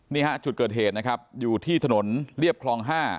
นี่ฮะจุดเกิดเหตุนะครับอยู่ที่ถนนเรียบคลอง๕